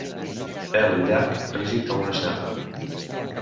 Pèl llarg rígid com una cerra.